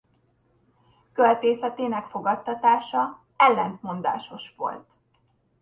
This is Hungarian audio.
Költészetének fogadtatása ellentmondásos volt.